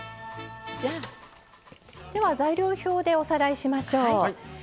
材料表でおさらいしましょう。